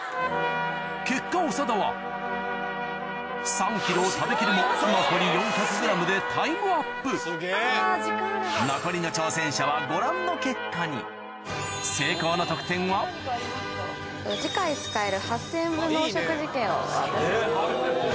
結果長田は３ｋｇを食べきるも残り４００ｇでタイムアップ残りの挑戦者はご覧の結果に成功の次回使える。